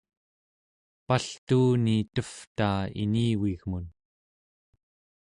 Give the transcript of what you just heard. paltuuni tevtaa inivigmun